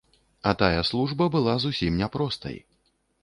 А тая служба была зусім не простай.